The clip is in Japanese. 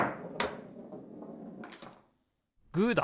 グーだ！